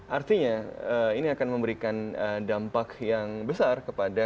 artinya ini akan memberikan dampak yang besar kepada